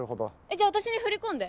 じゃあ私に振り込んで。